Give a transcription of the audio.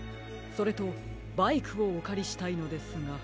それとバイクをおかりしたいのですが。